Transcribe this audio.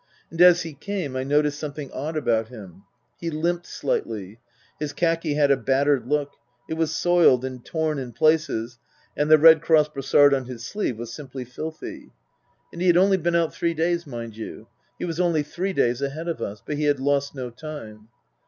And as he came, I noticed something odd about him. He limped slightly. His khaki had a battered look ; it was soiled and torn in places, and the Red Cross brassard on his sleeve was simply filthy. And he had only been out three days, mind you. He was only three days ahead of us. But he had lost no time.